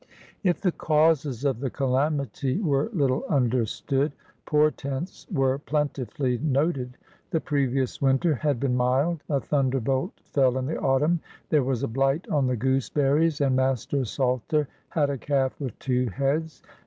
If the causes of the calamity were little understood, portents were plentifully noted. The previous winter had been mild. A thunderbolt fell in the autumn. There was a blight on the gooseberries, and Master Salter had a calf with two heads.